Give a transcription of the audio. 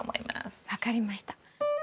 分かりました。